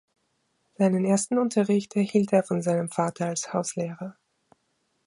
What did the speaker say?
Seinen ersten Unterricht erhielt er von seinem Vater als Hauslehrer.